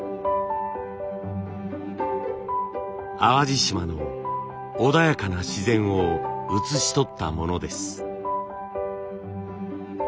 淡路島の穏やかな自然を写し取ったものです。